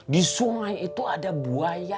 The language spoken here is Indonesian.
di sungai itu ada buaya